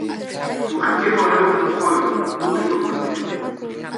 Ухьгьы уара иузынхоит, удгьылқәагьы.